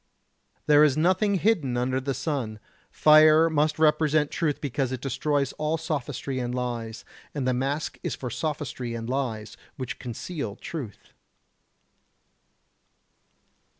There is nothing hidden under the sun. Fire must represent truth because it destroys all sophistry and lies, and the mask is for sophistry and lies, which conceal truth.